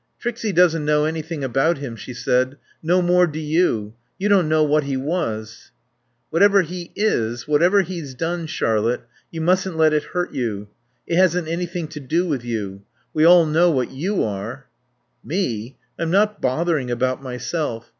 "Trixie doesn't know anything about him," she said. "No more do you. You don't know what he was." "Whatever he is, whatever he's done, Charlotte, you mustn't let it hurt you. It hasn't anything to do with you. We all know what you are." "Me? I'm not bothering about myself.